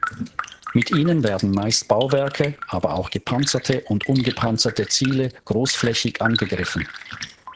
Mit ihnen werden meist Bauwerke, aber auch gepanzerte und ungepanzerte Ziele großflächig angegriffen.